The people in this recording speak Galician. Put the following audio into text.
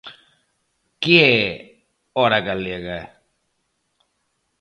Que é Ora Galega?